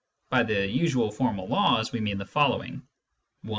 By the " usual formal laws " we mean the following :— I.